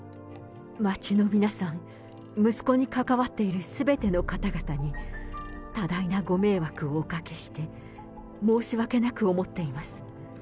息子に関わっているすべての方々に、多大なご迷惑をおかけして、申し訳なく思っています。